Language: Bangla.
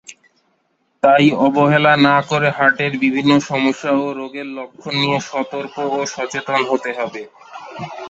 তাই অবহেলা না করে হার্টের বিভিন্ন সমস্যা ও রোগের লক্ষণ নিয়ে সতর্ক ও সচেতন হতে হবে।